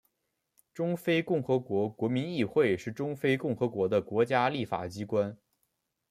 中非共和国国民议会是中非共和国的国家立法机关。